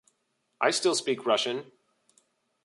I still speak Russian.